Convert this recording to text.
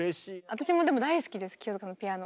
私もでも大好きです清塚さんのピアノ。